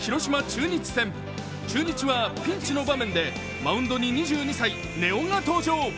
中日はピンチの場面でマウンドに２２歳、根尾が登場。